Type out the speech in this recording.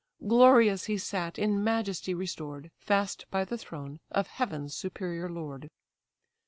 Glorious he sat, in majesty restored, Fast by the throne of heaven's superior lord.